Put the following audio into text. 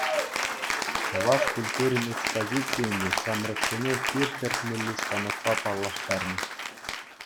Чӑваш культурин экспозицийӗнче ҫамрӑксене пир тӗртмелли станокпа паллаштарнӑ.